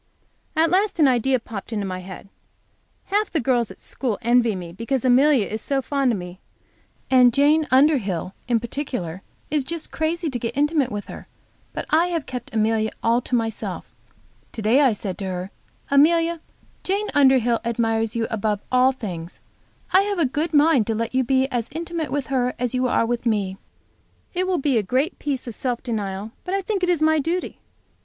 At last an idea popped into my head. Half the girls at school envy me because Amelia is so fond of me, and Jane Underhill, in particular, is just crazy to get intimate with her. But I have kept Amelia all to myself. To day I said to her, Amelia, Jane Underhill admires you above all things. I have a good mind to let you be as intimate with her as you are with me. It will be a great piece of self denial, but I think it is my duty.